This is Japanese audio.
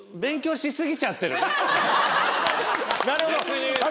なるほど。